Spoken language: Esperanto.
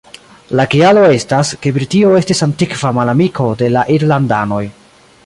La kialo estas, ke Britio estis antikva malamiko de la irlandanoj.